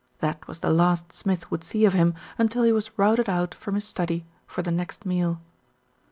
That was the last Smith would see of him until he was routed out from his study for the next meal.